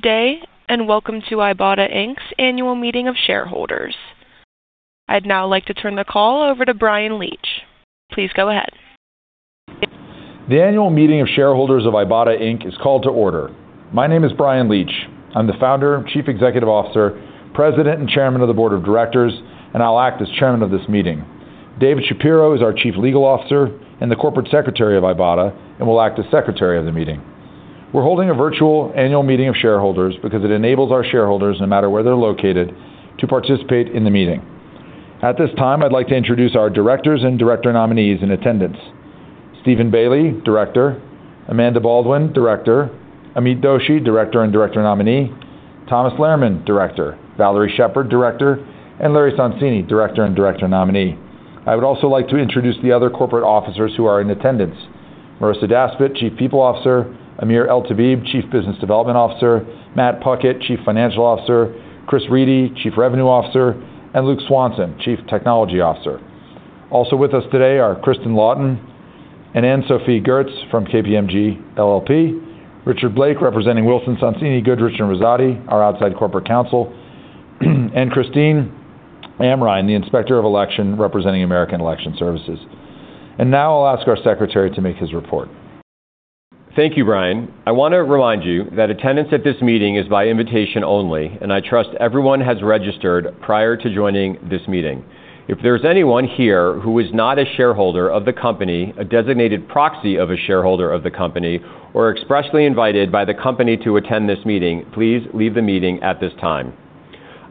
Good day, and welcome to Ibotta, Inc.'s Annual Meeting of Shareholders. I'd now like to turn the call over to Bryan Leach. Please go ahead. The annual meeting of shareholders of Ibotta Inc. is called to order. My name is Bryan Leach. I'm the Founder, Chief Executive Officer, President, and Chairman of the Board of Directors, and I'll act as Chairman of this meeting. David Shapiro is our Chief Legal Officer and the Corporate Secretary of Ibotta and will act as Secretary of the meeting. We're holding a virtual annual meeting of shareholders because it enables our shareholders, no matter where they're located, to participate in the meeting. At this time, I'd like to introduce our Directors and Director Nominees in attendance. Stephen Bailey, Director. Amanda Baldwin, Director. Amit N. Doshi, Director and Director Nominee. Thomas D. Lehrman, Director. Valarie Sheppard, Director. Larry Sonsini, Director and Director Nominee. I would also like to introduce the other corporate officers who are in attendance. Marisa Daspit, Chief People Officer. Amir El Tabib, Chief Business Development Officer. Matt Puckett, chief financial officer. Chris Riedy, chief revenue officer. Luke Swanson, chief technology officer. Also with us today are Kristen Lawton and Anne Sophie Gertz from KPMG LLP, Richard Blake representing Wilson Sonsini Goodrich & Rosati, our outside corporate counsel, and Chris Amrine, the Inspector of Election representing American Election Services. Now I'll ask our secretary to make his report. Thank you, Bryan. I wanna remind you that attendance at this meeting is by invitation only. I trust everyone has registered prior to joining this meeting. If there's anyone here who is not a shareholder of the company, a designated proxy of a shareholder of the company, or expressly invited by the company to attend this meeting, please leave the meeting at this time.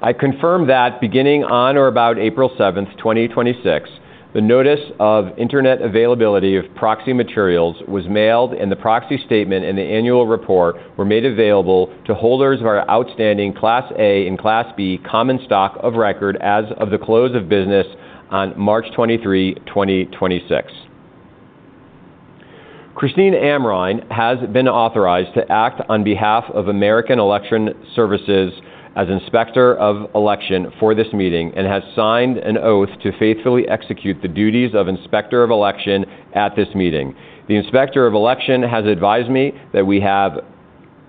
I confirm that beginning on or about April 7, 2026, the Notice of Internet Availability of Proxy Materials was mailed. The proxy statement and the annual report were made available to holders of our outstanding Class A and Class B common stock of record as of the close of business on March 23, 2026. Chris Amrine has been authorized to act on behalf of American Election Services as Inspector of Election for this meeting and has signed an oath to faithfully execute the duties of Inspector of Election at this meeting. The Inspector of Election has advised me that we have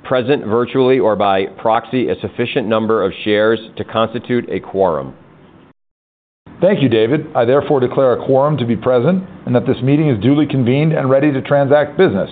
present virtually or by proxy a sufficient number of shares to constitute a quorum. Thank you, David. I therefore declare a quorum to be present and that this meeting is duly convened and ready to transact business.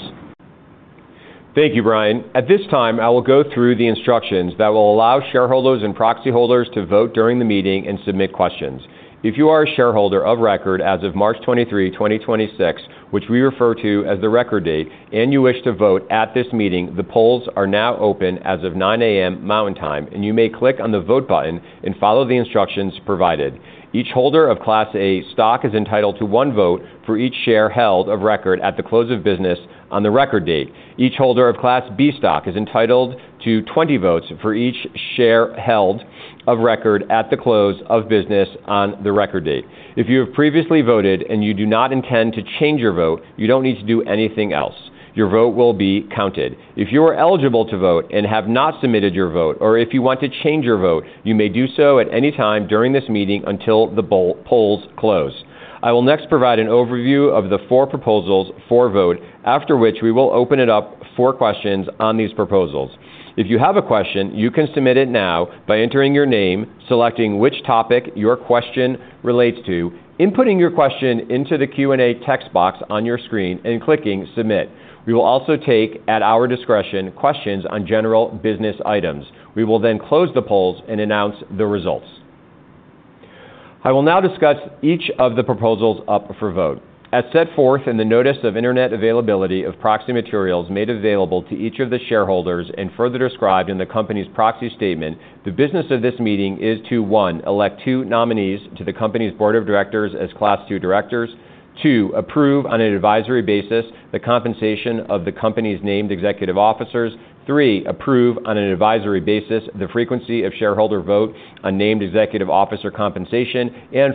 Thank you, Bryan. At this time, I will go through the instructions that will allow shareholders and proxy holders to vote during the meeting and submit questions. If you are a shareholder of record as of March 23, 2026, which we refer to as the record date, and you wish to vote at this meeting, the polls are now open as of 9:00 A.M. Mountain Time, you may click on the Vote button and follow the instructions provided. Each holder of Class A stock is entitled to one vote for each share held of record at the close of business on the record date. Each holder of Class B stock is entitled to 20 votes for each share held of record at the close of business on the record date. If you have previously voted and you do not intend to change your vote, you don't need to do anything else. Your vote will be counted. If you are eligible to vote and have not submitted your vote, or if you want to change your vote, you may do so at any time during this meeting until the polls close. I will next provide an overview of the four proposals for vote, after which we will open it up for questions on these proposals. If you have a question, you can submit it now by entering your name, selecting which topic your question relates to, inputting your question into the Q&A text box on your screen, and clicking Submit. We will also take, at our discretion, questions on general business items. We will close the polls and announce the results. I will now discuss each of the proposals up for vote. As set forth in the Notice of Internet Availability of Proxy Materials made available to each of the shareholders and further described in the company's proxy statement, the business of this meeting is to, one, elect two nominees to the company's board of directors as Class II directors. Two, approve on an advisory basis the compensation of the company's named executive officers. Three, approve on an advisory basis the frequency of shareholder vote on named executive officer compensation.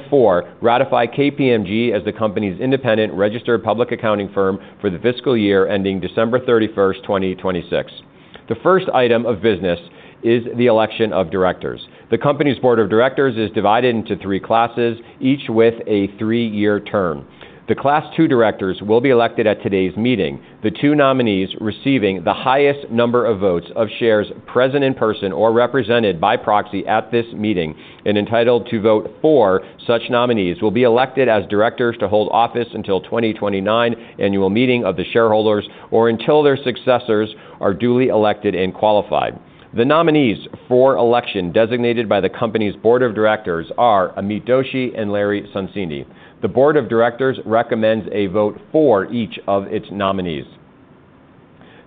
Four, ratify KPMG as the company's independent registered public accounting firm for the fiscal year ending December 31st, 2026. The first item of business is the election of directors. The company's board of directors is divided into three classes, each with a three-year term. The Class II directors will be elected at today's meeting. The two nominees receiving the highest number of votes of shares present in person or represented by proxy at this meeting and entitled to vote for such nominees will be elected as directors to hold office until 2029 annual meeting of the shareholders or until their successors are duly elected and qualified. The nominees for election designated by the company's Board of Directors are Amit Doshi and Larry Sonsini. The Board of Directors recommends a vote for each of its nominees.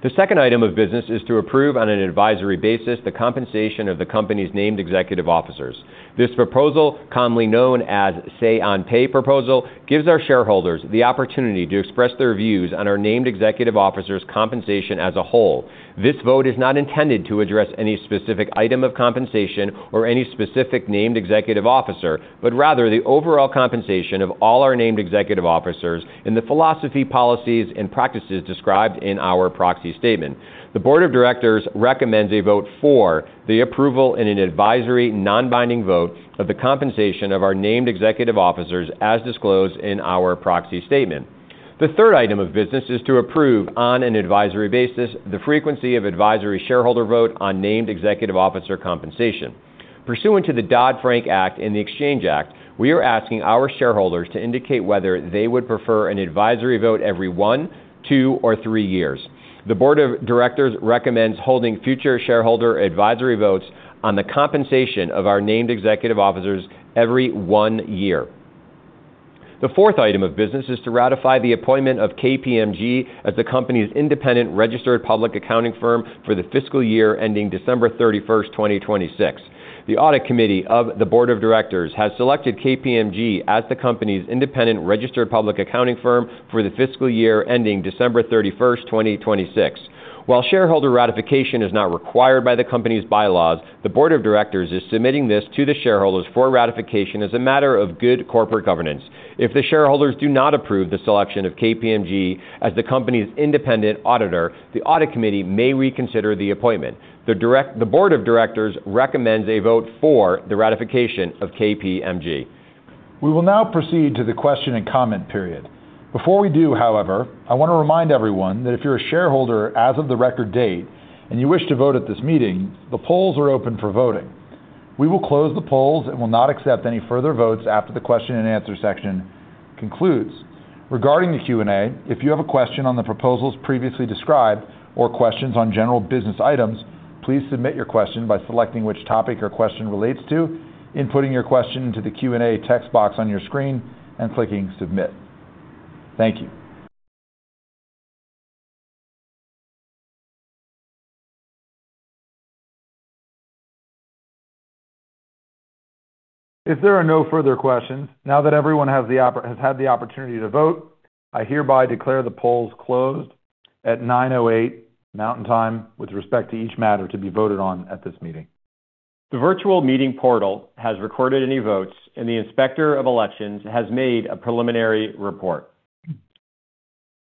The second item of business is to approve on an advisory basis the compensation of the company's named executive officers. This proposal, commonly known as say-on-pay proposal, gives our shareholders the opportunity to express their views on our named executive officers' compensation as a whole. This vote is not intended to address any specific item of compensation or any specific named executive officer, but rather the overall compensation of all our named executive officers and the philosophy, policies, and practices described in our proxy statement. The board of directors recommends a vote for the approval in an advisory non-binding vote of the compensation of our named executive officers as disclosed in our proxy statement. The third item of business is to approve on an advisory basis the frequency of advisory shareholder vote on named executive officer compensation. Pursuant to the Dodd-Frank Act and the Exchange Act, we are asking our shareholders to indicate whether they would prefer an advisory vote every one, two or three years. The board of directors recommends holding future shareholder advisory votes on the compensation of our named executive officers every one year. The fourth item of business is to ratify the appointment of KPMG as the company's independent registered public accounting firm for the fiscal year ending December 31st, 2026. The audit committee of the board of directors has selected KPMG as the company's independent registered public accounting firm for the fiscal year ending December 31st, 2026. While shareholder ratification is not required by the company's bylaws, the board of directors is submitting this to the shareholders for ratification as a matter of good corporate governance. If the shareholders do not approve the selection of KPMG as the company's independent auditor, the audit committee may reconsider the appointment. The board of directors recommends a vote for the ratification of KPMG. We will now proceed to the question and comment period. Before we do, however, I wanna remind everyone that if you're a shareholder as of the record date and you wish to vote at this meeting, the polls are open for voting. We will close the polls and will not accept any further votes after the question and answer section concludes. Regarding the Q&A, if you have a question on the proposals previously described or questions on general business items, please submit your question by selecting which topic your question relates to, inputting your question into the Q&A text box on your screen and clicking Submit. Thank you. If there are no further questions, now that everyone has had the opportunity to vote, I hereby declare the polls closed at 9:08 A.M. Mountain Time with respect to each matter to be voted on at this meeting. The virtual meeting portal has recorded any votes, and the Inspector of Election has made a preliminary report.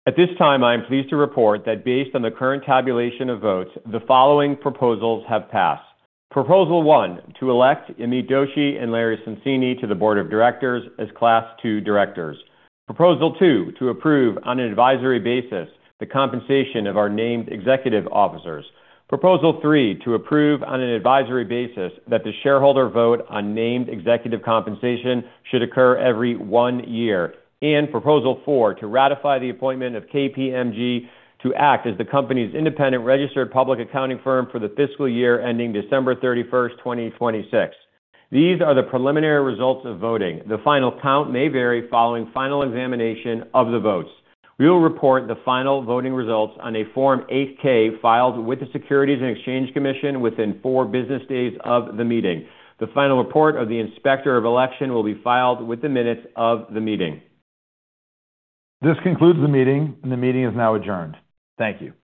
At this time, I am pleased to report that based on the current tabulation of votes, the following proposals have passed. Proposal 1, to elect Amit Doshi and Larry Sonsini to the board of directors as Class II directors. Proposal 2, to approve on an advisory basis the compensation of our named executive officers. Proposal 3, to approve on an advisory basis that the shareholder vote on named executive compensation should occur every one year. Proposal 4, to ratify the appointment of KPMG to act as the company's independent registered public accounting firm for the fiscal year ending December 31, 2026. These are the preliminary results of voting. The final count may vary following final examination of the votes. We will report the final voting results on a Form 8-K filed with the Securities and Exchange Commission within four business days of the meeting. The final report of the Inspector of Election will be filed with the minutes of the meeting. This concludes the meeting, and the meeting is now adjourned. Thank you. Goodbye.